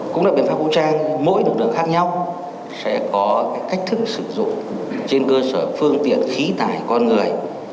cũng là biện pháp vũ trang mỗi lực lượng khác nhau sẽ có cách thức sử dụng trên cơ sở phương tiện khí tải con người